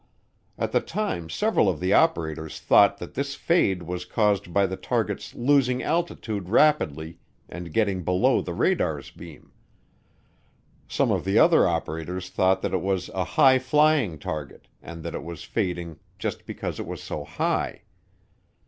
At the time several of the operators thought that this fade was caused by the target's losing altitude rapidly and getting below the radar's beam. Some of the other operators thought that it was a high flying target and that it was fading just because it was so high.